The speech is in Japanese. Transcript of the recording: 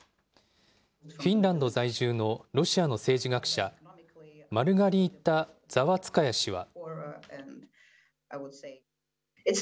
フィンランド在住のロシアの政治学者、マルガリータ・ザワツカヤ氏は。